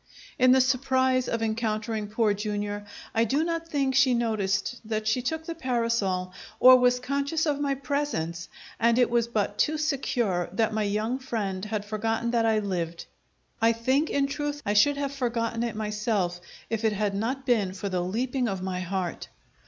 In the surprise of encountering Poor Jr. I do not think she noticed that she took the parasol or was conscious of my presence, and it was but too secure that my young friend had forgotten that I lived. I think, in truth, I should have forgotten it myself, if it had not been for the leaping of my heart.